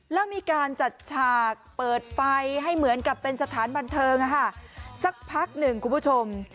แล้วมีการจัดฉากเปิดไฟให้เหมือนกับเป็นสถานบันเทิงสักพักหนึ่งคุณผู้ชม